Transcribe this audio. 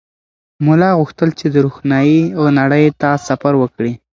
ملا غوښتل چې د روښنایۍ نړۍ ته سفر وکړي.